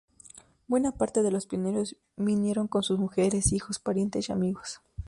Buena parte de los pioneros vinieron con sus mujeres, hijos, parientes y amigos.